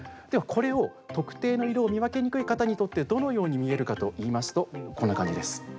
では、これを特定の色を見分けにくい方にとってどのように見えるかといいますとこんな感じです。